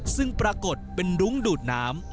ซึ่งปรากฏเป็นรุ้งดูดน้ำ